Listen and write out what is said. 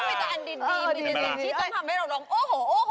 มีแต่อันดินที่ต้องทำให้เราร้องโอ้โห